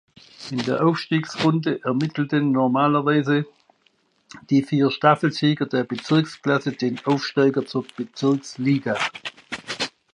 In der Aufstiegsrunde ermittelten normalerweise die vier Staffelsieger der Bezirksklasse den Aufsteiger zur Bezirksliga.